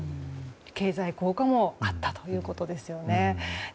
経済効果もあったということですよね。